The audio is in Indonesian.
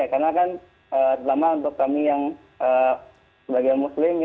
karena selama untuk kami yang sebagai muslim